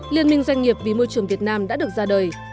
liên minh doanh nghiệp vì môi trường việt nam đã được ra đời